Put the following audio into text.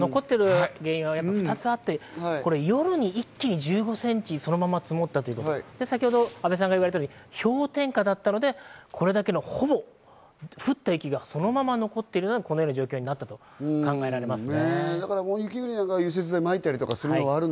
残っている理由は２つあって、夜に１５センチ、一気に積もったということ、そして阿部さんが言われたように氷点下だったので、これだけの降った雪がそのまま残っていて、この状況になっていると考えられますね。